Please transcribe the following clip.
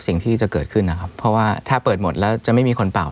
สิ่งที่จะเกิดขึ้นนะครับเพราะว่าถ้าเปิดหมดแล้วจะไม่มีคนเป่า